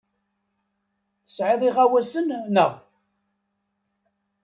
Tesɛiḍ iɣawasen, naɣ?